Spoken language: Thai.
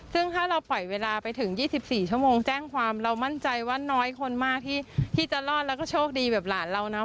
ซึ่งถ้าเราปล่อยเวลาไปถึง๒๔ชั่วโมงแจ้งความเรามั่นใจว่าน้อยคนมากที่จะรอดแล้วก็โชคดีแบบหลานเราเนาะ